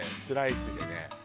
スライスでね。